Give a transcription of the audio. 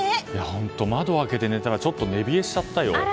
本当、窓を開けて寝たらちょっと寝冷えしちゃったよ。